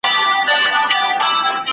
د ژوند پر حق تجاوز کوونکي مجازات کیږي.